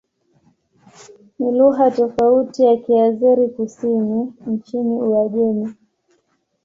Ni lugha tofauti na Kiazeri-Kusini nchini Uajemi.